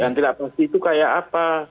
yang tidak pasti itu kayak apa